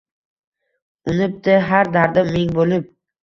Unibdi har dardim ming boʼlib.